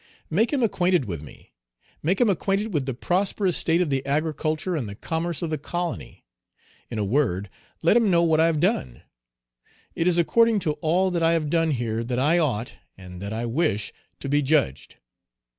Make him acquainted with me; make him acquainted with the prosperous state of the agriculture and the commerce of the colony; in a word, let him know what I have done. It is according to all that I have done here that I ought, and that I wish, to be judged.